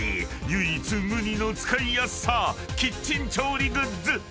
［唯一無二の使いやすさキッチン調理グッズ］